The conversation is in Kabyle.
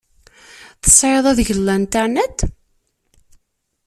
Tesɛiḍ adeg n Internet?